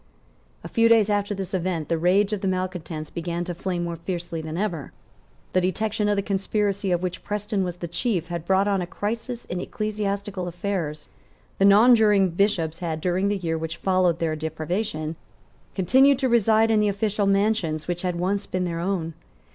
A few days after this event the rage of the malecontents began to flame more fiercely than ever. The detection of the conspiracy of which Preston was the chief had brought on a crisis in ecclesiastical affairs. The nonjuring bishops had, during the year which followed their deprivation, continued to reside in the official mansions which had once been their own.